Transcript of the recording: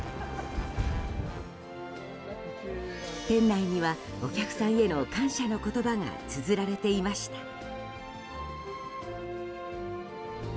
店内にはお客さんへの感謝の言葉がつづられていました。